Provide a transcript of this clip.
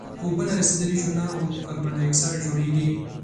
اوبه نارسیدلې چونه او کاربن ډای اکسایډ جوړیږي.